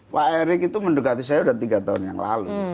pak erick itu mendekati saya sudah tiga tahun yang lalu